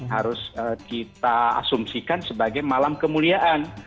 harus kita asumsikan sebagai malam kemuliaan